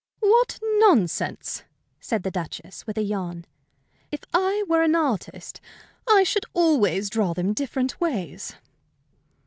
"What nonsense!" said the Duchess, with a yawn. "If I were an artist, I should always draw them different ways."